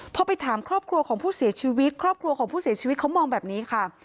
พอไปถามครอบครัวของผู้เสียชีวิตครอบครัวของผู้เสียชีวิตเขามองแบบนี้ค่ะ